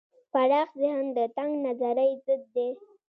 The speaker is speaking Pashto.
پراخ ذهن د تنگ نظرۍ ضد دی.